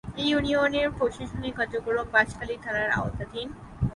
এ ইউনিয়নের প্রশাসনিক কার্যক্রম বাঁশখালী থানার আওতাধীন।